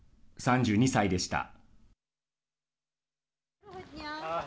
３２歳でした。